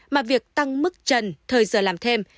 mà việc tăng mức trần thời giờ làm thêm